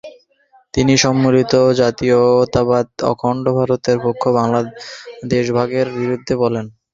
তিনি সম্মিলিত জাতীয়তাবাদ, অখণ্ড ভারতের পক্ষে এবং দেশভাগের বিরুদ্ধে বলেন।